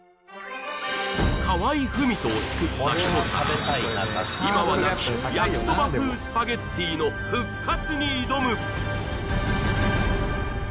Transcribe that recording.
河合郁人を救った一皿今はなき焼きそば風スパゲッティの復活に挑む！